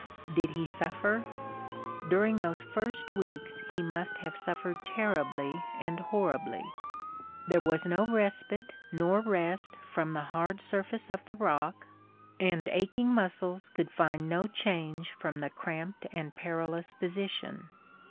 Did he suffer? During those first weeks he must have suffered terribly and horribly. There was no respite nor rest from the hard surface of the rock, and aching muscles could find no change from the cramped and perilous position.